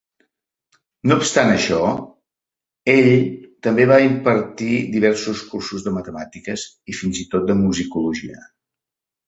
No obstant això, ell també va impartir diversos cursos de matemàtiques i, fins i tot, de musicologia.